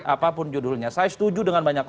apapun judulnya saya setuju dengan banyak